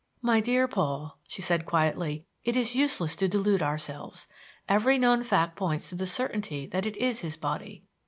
"My dear Paul," she said quietly, "it is useless to delude ourselves. Every known fact points to the certainty that it is his body.